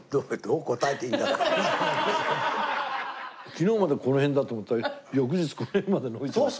昨日までこの辺だと思ったら翌日この辺まで伸びてましたよ。